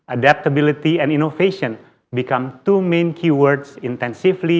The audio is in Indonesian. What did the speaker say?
adaptabilitas dan inovasi menjadi dua kata utama yang ditentukan dalam